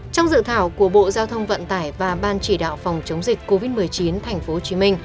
trong dự thảo của bộ giao thông vận tải và ban chỉ đạo phòng chống dịch covid một mươi chín tp hcm